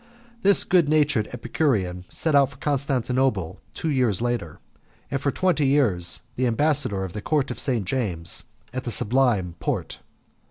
This good natured Epicurean set out for Constantinople two years later, and was for twenty years the ambassador of the Court of St. James at the Sublime Porte.